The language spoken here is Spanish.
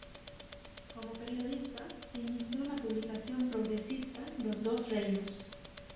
Como periodista, se inició en la publicación progresista "Los Dos Reinos".